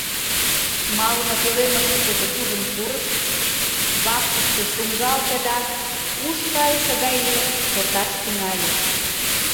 Малыме пӧлемышкыже куржын пурыш, вакшышке шуҥгалте да, уш кайыше гай лийын, шорташ тӱҥале.